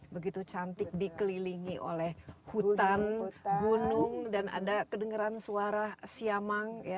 begitu cantik dikelilingi oleh hutan gunung dan ada kedengeran suara siamang